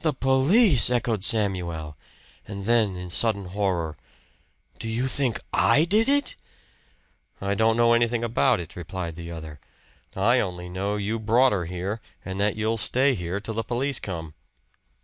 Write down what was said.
"The police!" echoed Samuel; and then in sudden horror "Do you think I did it?" "I don't know anything about it," replied the other. "I only know you brought her here, and that you'll stay here till the police come."